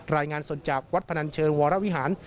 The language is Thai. รายงานสดจากวัดพนันเชิงวรวิหาร